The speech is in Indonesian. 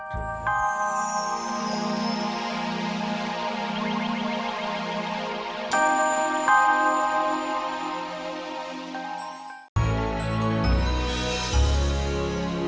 lintang putih maukah kamu menikah denganku